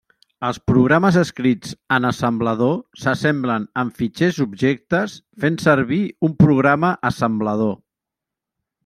Els programes escrits en assemblador s'assemblen en fitxers objectes fent servir un programa assemblador.